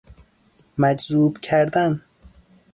مجذوب کردن